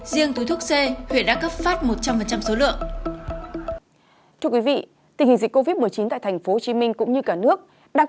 riêng túi thuốc c huyện đã cấp phát một trăm linh số lượng